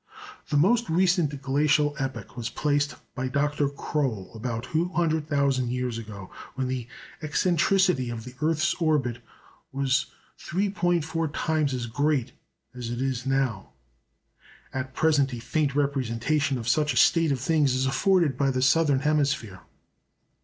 The most recent glacial epoch was placed by Dr. Croll about 200,000 years ago, when the eccentricity of the earth's orbit was 3·4 times as great as it is now. At present a faint representation of such a state of things is afforded by the southern hemisphere.